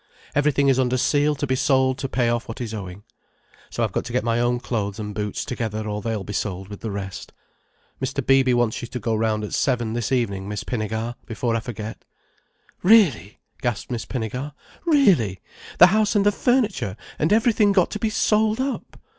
Everything is under seal to be sold to pay off what is owing. So I've got to get my own clothes and boots together, or they'll be sold with the rest. Mr. Beeby wants you to go round at seven this evening, Miss Pinnegar—before I forget." "Really!" gasped Miss Pinnegar. "Really! The house and the furniture and everything got to be sold up?